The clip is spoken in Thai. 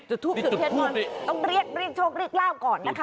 จุดทูบดิจุดทูบแบบนี้ต้องเรียกเรียกชกเรียกลาบก่อนนะคะ